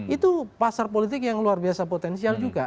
itu pasar politik yang luar biasa potensial juga